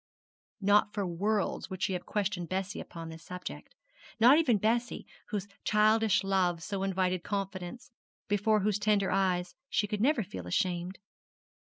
Not for worlds would she have questioned Bessie upon this subject: not even Bessie, whose childish love so invited confidence, before whose tender eyes she could never feel ashamed.